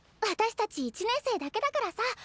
私たち１年生だけだからさ